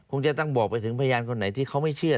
คงจะต้องบอกไปถึงพยานคนไหนที่เขาไม่เชื่อ